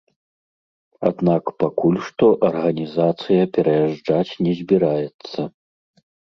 Аднак пакуль што арганізацыя пераязджаць не збіраецца.